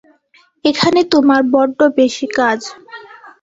এখানে তোমার বড্ড বেশি কাজ।